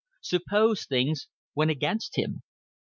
Suppose things went against him!